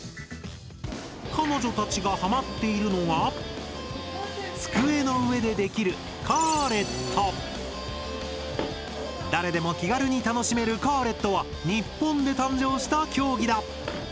彼女たちがハマっているのは机の上でできる誰でも気軽に楽しめる「カーレット」は日本で誕生した競技だ。